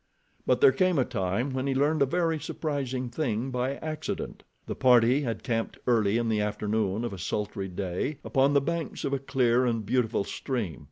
But there came a time when he learned a very surprising thing, by accident. The party had camped early in the afternoon of a sultry day, upon the banks of a clear and beautiful stream.